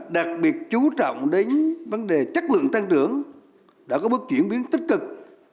đặc biệt chú trọng đến vấn đề chất lượng tăng trưởng đã có bước chuyển biến tích cực